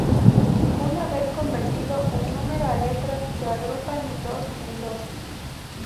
Una vez convertido el número a letras, se agrupan de dos en dos.